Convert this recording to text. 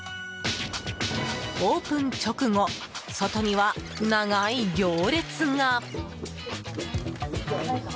オープン直後、外には長い行列が。